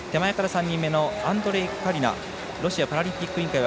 アンドレイ・カリナロシアパラリンピック委員会は